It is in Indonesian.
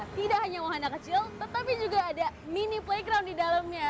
tidak hanya wahana kecil tetapi juga ada mini playground di dalamnya